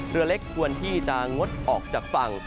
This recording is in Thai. เรือเล็กควรที่จะงดออกจากฝั่ง